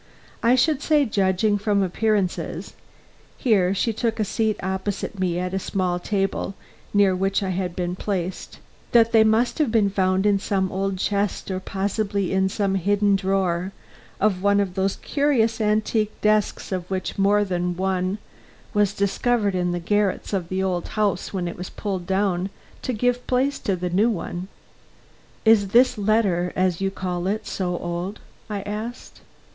I should say, judging from appearances " Here she took a seat opposite me at a small table near which I had been placed "that they must have been found in some old chest or possibly in some hidden drawer of one of those curious antique desks of which more than one was discovered in the garrets of the old house when it was pulled down to give place to the new one." "Is this letter, as you call it, so old?" I asked.